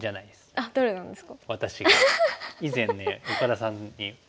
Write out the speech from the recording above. あっそうなんですか。